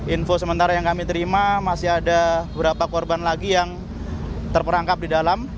info sementara yang kami terima masih ada beberapa korban lagi yang terperangkap di dalam